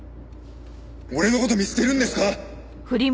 俺の事見捨てるんですか！